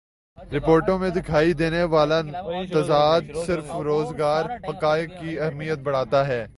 رپورٹوں میں دکھائی دینے والا تضاد صرف روزگار حقائق کی اہمیت بڑھاتا ہے